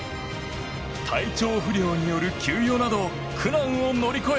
体調不良による休養など苦難を乗り越え